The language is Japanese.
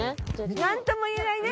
何ともいえないね